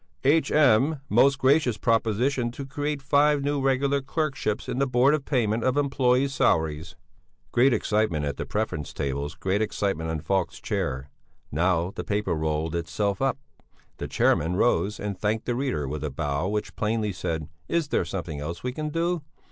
"H.M. most gracious proposition to create five new regular clerkships in the Board of Payment of Employés' Salaries." Great excitement at the Preference tables; great excitement on Falk's chair. Now the paper roll rolled itself up; the chairman rose and thanked the reader with a bow which plainly said: "Is there nothing else we can do?"